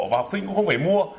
và học sinh cũng không phải mua